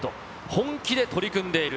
本気で取り組んでいる。